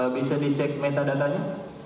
bisa dicek metadata nya